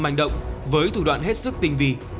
mạnh động với thủ đoạn hết sức tinh vì